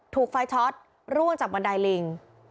ถูกไฟช็อตร่วงจากบันไดลิง